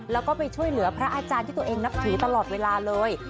แล้วก็ไปช่วยเหลือพระอาจารย์ที่ตัวเองนับถือตลอดเวลาเลย